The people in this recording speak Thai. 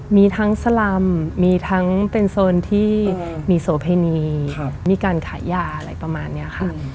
มีทั้งสลำมีทั้งเป็นโซนที่มีโสเพณีมีการขายยาอะไรประมาณนี้ค่ะ